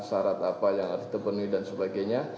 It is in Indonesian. syarat apa yang harus dipenuhi dan sebagainya